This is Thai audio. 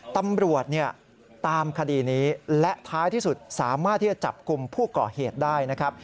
ตำรวจเนี่ยตามคดีนี้และท้ายที่สุดสามารถที่จะจับกลุ่มผู้ก่อเหตุได้นะครับ